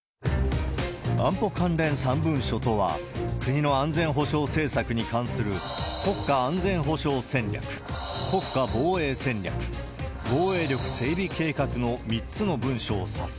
安保関連３文書とは、国の安全保障政策に関する国家安全保障戦略、国家防衛戦略、防衛力整備計画の３つの文書を指す。